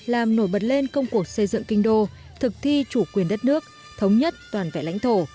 làm nổi bật lên công cuộc xây dựng kinh đô thực thi chủ quyền đất nước thống nhất toàn vẹn lãnh thổ